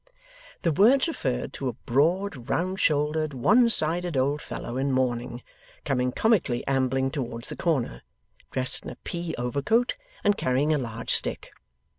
The words referred to a broad, round shouldered, one sided old fellow in mourning, coming comically ambling towards the corner, dressed in a pea over coat, and carrying a large stick.